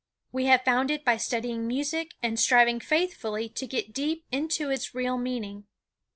We have found it by studying music and striving faithfully to get deep into its real meaning.